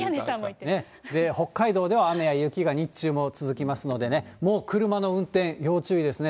北海道では雨や雪が日中も続きますのでね、もう車の運転、要注意ですね。